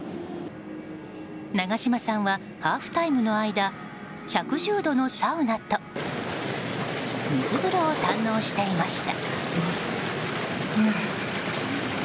長嶋さんはハーフタイムの間１１０度のサウナと水風呂を堪能していました。